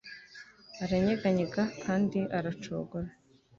aranyeganyega kandi aracogora